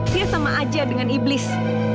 dia sama aja dengan iblis